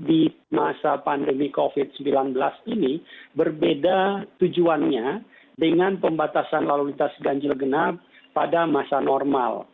di masa pandemi covid sembilan belas ini berbeda tujuannya dengan pembatasan lalu lintas ganjil genap pada masa normal